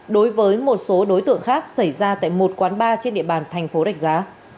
đối với một số đối tượng khác xảy ra tại một quán bar trên địa bàn thành phố rạch giá